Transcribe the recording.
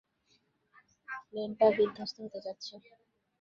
প্লেনটা বিদ্ধস্ত হতে যাচ্ছে।